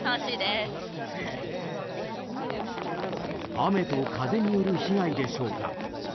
雨と風による被害でしょうか。